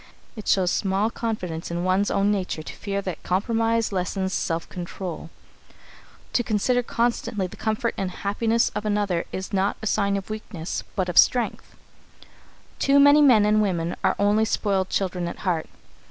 It shows small confidence in one's own nature to fear that compromise lessens self control. To consider constantly the comfort and happiness of another is not a sign of weakness but of strength. [Sidenote: Spoiled Children] Too many men and women are only spoiled children at heart.